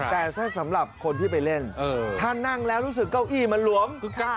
แต่ถ้าสำหรับคนที่ไปเล่นถ้านั่งแล้วรู้สึกเก้าอี้มันหลวม